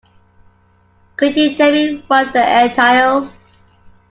Could you tell me what that entails?